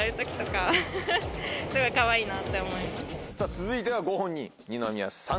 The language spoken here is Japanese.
続いてはご本人二宮さん。